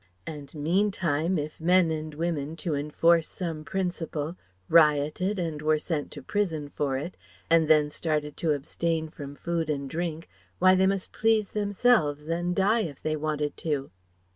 And meantime if men and women, to enforce some principle, rioted and were sent to prison for it, and then started to abstain from food and drink, why they must please themselves and die if they wanted to."